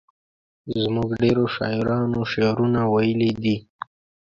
زموږ ډیرو شاعرانو شعرونه ویلي دي.